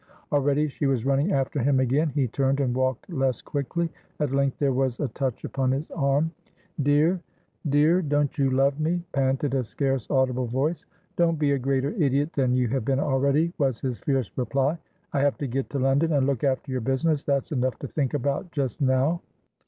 Already she was running after him again. He turned, and walked less quickly. At length there was a touch upon his arm. "Deardeardon't you love me?" panted a scarce audible voice. "Don't be a greater idiot than you have been already," was his fierce reply. "I have to get to London, and look after your business; that's enough to think about just now."